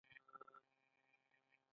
د جوارو سترۍ اوږدې او گڼې وي.